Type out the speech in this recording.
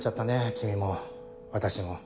君も私も。